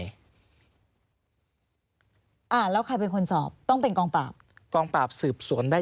มันมีเหตุยิงกันตายห่างจากโรงพรรค